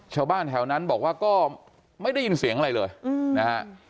ชาวบ้านแถวนั้นบอกว่าก็ไม่ได้ยินเสียงอะไรเลยนะฮะ